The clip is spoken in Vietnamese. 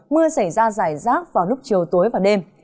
mưa xảy ra giải rác vào lúc chiều tối và đêm